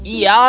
iya benar tuan